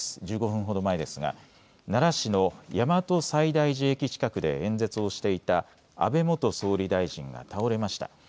１５分ほど前ですが、奈良市の大和西大寺駅近くで演説をしていた安倍元総理大臣が倒れました。